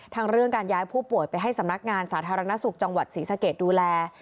เรื่องการย้ายผู้ป่วยไปให้สำนักงานสาธารณสุขจังหวัดศรีสะเกดดูแล